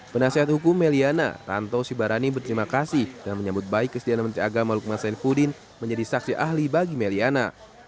penasehat hukum meliana ranto sibarani berterima kasih dan menyambut baik kesediaan menteri agama lukman sainfuddin menjadi saksi ahli bagi meliana